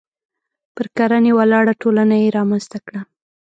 پر کرنې ولاړه ټولنه یې رامنځته کړه.